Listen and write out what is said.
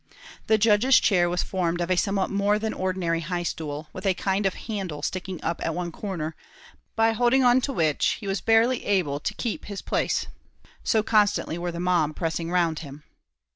The judge's chair was formed of a somewhat more than ordinary high stool, with a kind of handle sticking up at one corner, by holding on to which he was barely able to keep his place, so constantly were the mob pressing round him.